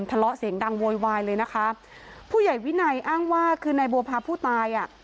ทะเลาะเสียงดังโวยวายเลยนะคะผู้ใหญ่วินัยอ้างว่าคือนายบัวพาผู้ตายอ่ะ